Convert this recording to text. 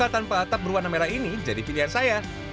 tanpa atap berwarna merah ini jadi pilihan saya